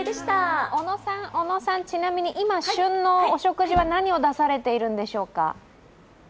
小野さん、ちなみに今、旬のお食事は何を出されているんでしょうか？